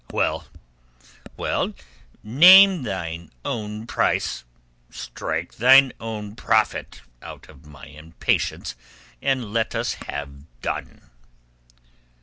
Well, well, name thine own price, strike thine own profit out of my impatience and let us have done."